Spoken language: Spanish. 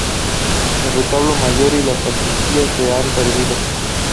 El retablo mayor y la sacristía se han perdido.